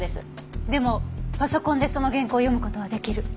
でもパソコンでその原稿を読む事は出来る。